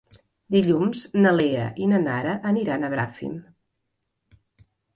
Dilluns na Lea i na Nara aniran a Bràfim.